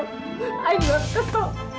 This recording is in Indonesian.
saya gak tahu